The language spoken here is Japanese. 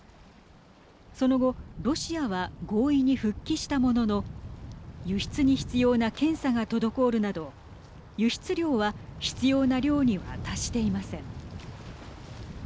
その後ロシアは合意に復帰したものの輸出に必要な検査が滞るなど輸出量は必要な量には達していません。